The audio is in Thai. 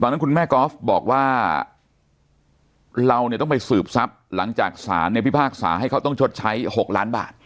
นั้นคุณแม่กอล์ฟบอกว่าเราเนี่ยต้องไปสืบทรัพย์หลังจากศาลเนี่ยพิพากษาให้เขาต้องชดใช้๖ล้านบาท